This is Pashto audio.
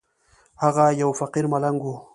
هغه يو فقير ملنگ و.